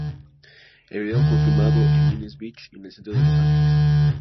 El video fue filmado en Venice Beach, y en el centro de Los Ángeles.